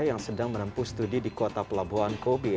yang sedang menempuh studi di kota pelabuhan kobe